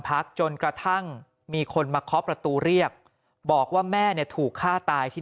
พักจนกระทั่งมีคนมาเคาะประตูเรียกบอกว่าแม่เนี่ยถูกฆ่าตายที่